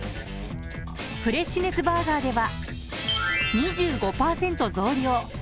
フレッシュネスバーガーでは、２５％増量。